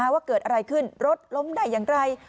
ว่าเกิดอะไรขึ้นรถล้มได้อย่างไร